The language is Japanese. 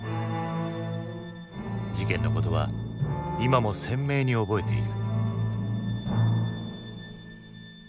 事件のことは今も鮮明に覚えている。